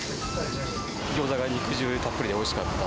ギョーザが肉汁たっぷりでおいしかった。